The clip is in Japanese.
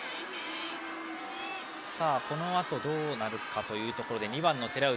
このあとどうなるかということでバッターは２番の寺内。